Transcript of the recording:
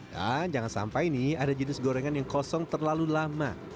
dan jangan sampai nih ada jenis gorengan yang kosong terlalu lama